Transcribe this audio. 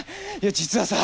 実はさあ。